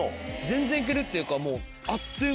全然行けるっていうかもう。